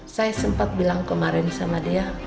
saya sempat bilang kemarin sama dia